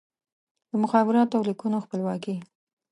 د مخابراتو او لیکونو خپلواکي